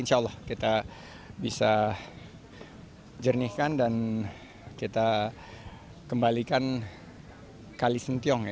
insya allah kita bisa jernihkan dan kita kembalikan kalisentiong